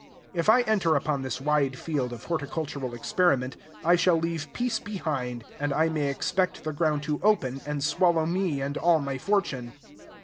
If I enter upon this wide field of horticultural experiment, I shall leave peace behind; and I may expect the ground to open, and swallow me and all my fortune.